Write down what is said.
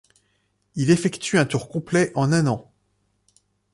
Il effectue un tour complet en un an.